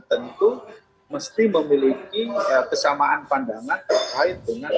tentu mesti memiliki kesamaan pandangan terkait dengan